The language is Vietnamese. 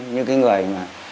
những cái người mà